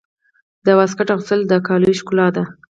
د واسکټ اغوستل د کالیو ښکلا ده.